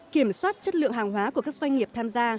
kiểm soát chất lượng hàng hóa của các doanh nghiệp tham gia